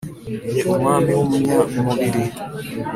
dore umwami w’umunyamubiri.